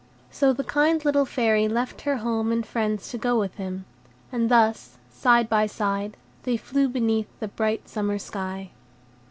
So the kind little Fairy left her home and friends to go with him; and thus, side by side, they flew beneath the bright summer sky.